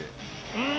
うん！